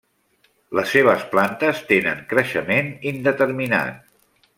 Les seves plantes tenen creixement indeterminat.